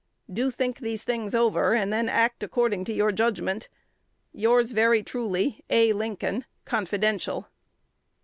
Do think these things over, and then act according to your judgment. Yours very truly, A. Lincoln. (Confidential.)